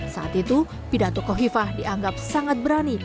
saat itu pidato kofifah dianggap sangat berani